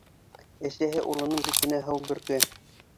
Әсәһе улының битенә һыу бөркә.